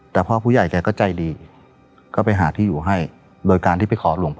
แต่พ่อผู้ใหญ่แกก็ใจดีก็ไปหาที่อยู่ให้โดยการที่ไปขอหลวงพ่อ